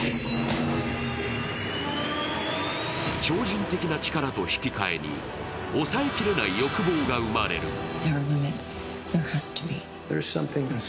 超人的な力と引き換えに抑えきれない欲望が生まれる。